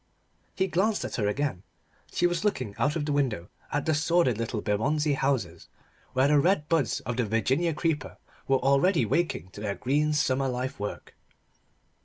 He glanced at her again. She was looking out of the window at the sordid little Bermondsey houses, where the red buds of the Virginia creeper were already waking to their green summer life work.